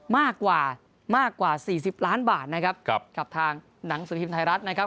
มากกว่า๔๐ล้านบาทนะครับกับทางหนังสภิพธิ์ไทยรัฐนะครับ